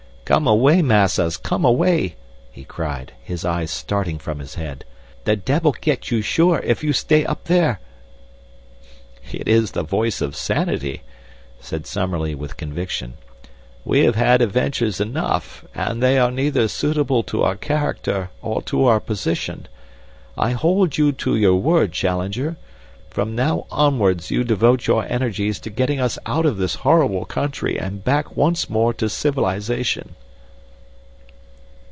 "Come away, Massas, come away!" he cried, his eyes starting from his head. "The debbil get you sure if you stay up there." "It is the voice of sanity!" said Summerlee with conviction. "We have had adventures enough and they are neither suitable to our character or our position. I hold you to your word, Challenger. From now onwards you devote your energies to getting us out of this horrible country and back once more to civilization."